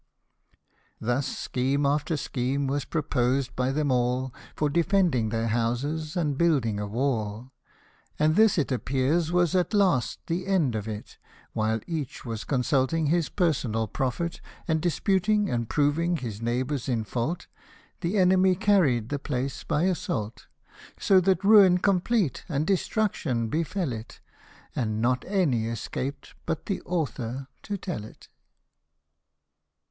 94 Thus scheme after scheme was propos'd by them all, For defending their houses, and building a wall ; And this it appears was at last the end of it, While each was consulting his personal profit, And disputing, and proving his neighbours in fault, The enemy carried the place by assault ; So that ruin complete, and destruction, befel it, And not any escaped but the author to tell it.